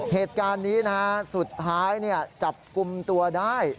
เหตุการณ์นี้นะฮะสุดท้ายจับกลุ่มตัวได้